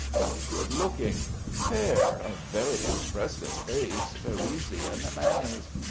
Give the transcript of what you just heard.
How good looking! Fair ... a very expressive face, Parisian manners....